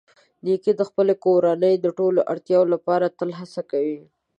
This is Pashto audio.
نیکه د خپلې کورنۍ د ټولو اړتیاوو لپاره تل هڅه کوي.